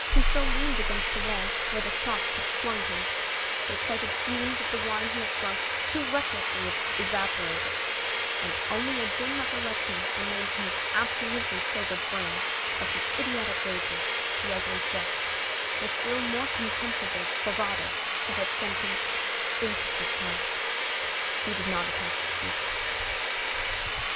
He still leaned against the wall, where the shock had flung him. The exciting fumes of the wine he had drunk too recklessly evaporated, and only a dim recollection remained in his absolutely sobered brain of the idiotic wager, the ugly jest, the still more contemptible bravado that had sent him into this hell. He did not attempt to speak.